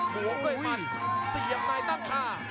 บวกด้วยมันเสียบในตั้งคา